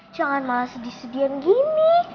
jangan malah segi sedian gini